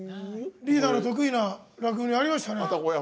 リーダーの得意な落語ありましたね。